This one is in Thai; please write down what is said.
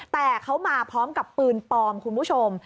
แต่เขามาพร้อมกับปืนปลอมคุณผู้ชม